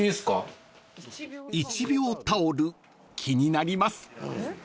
［１秒タオル気になります］